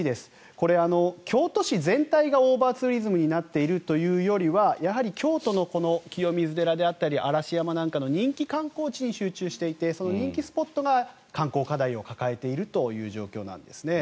これ、京都市全体がオーバーツーリズムになっているというよりはやはり京都の清水寺であったり嵐山なんかの人気観光地に集中していてその人気スポットが観光課題を抱えているという状況なんですね。